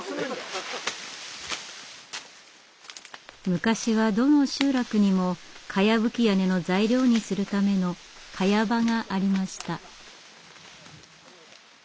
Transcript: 昔はどの集落にもかやぶき屋根の材料にするための萱場がありました。